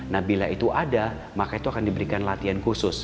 nah bila itu ada maka itu akan diberikan latihan khusus